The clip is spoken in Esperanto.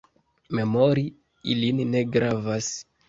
Memori ilin ne gravas.